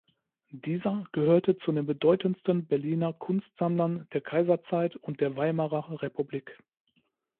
Dieser gehörte zu den bedeutendsten Berliner Kunstsammlern der Kaiserzeit und der Weimarer Republik.